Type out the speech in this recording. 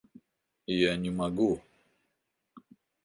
Я не могу.